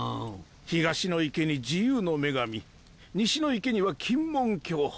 東の池に自由の女神西の池には金門橋。